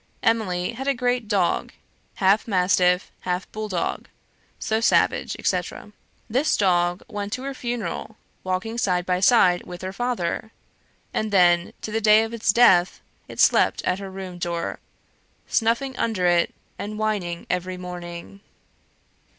... Emily had a great dog half mastiff, half bull dog so savage, etc. ... This dog went to her funeral, walking side by side with her father; and then, to the day of its death, it slept at her room door; snuffing under it, and whining every morning.